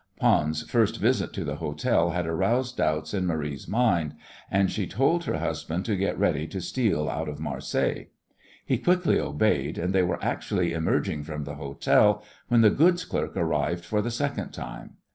Pons's first visit to the hotel had aroused doubts in Marie's mind, and she told her husband to get ready to steal out of Marseilles. He quickly obeyed, and they were actually emerging from the hotel when the goods clerk arrived for the second time.